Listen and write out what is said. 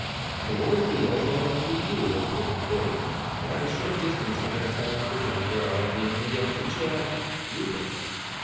The woman kneels on a prie dieu of painted wood and at a short distance from her stands the young girl, leaning against a chair, weeping.